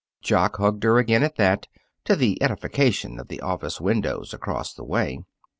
Jock hugged her again at that, to the edification of the office windows across the way.